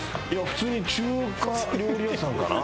普通に中華料理屋さんかな？